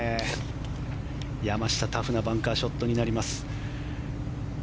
山下、タフなバンカーショットになります。